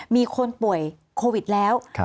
มีคนป่วยโควิดแล้ว